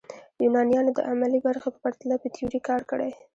یونانیانو د عملي برخې په پرتله په تیوري کار کړی.